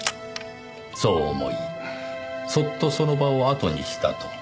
そう思いそっとその場をあとにしたと。